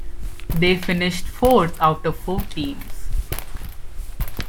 They finished fourth out of four teams.